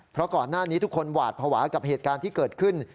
เพราะก่อนหน้านี้ทุกคนหวาดภาวะกับเหตุการณ์ที่เกิดขึ้น